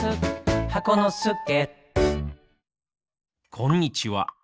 こんにちは。